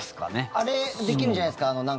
あれできるんじゃないですか。